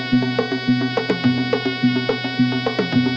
สวัสดีครับ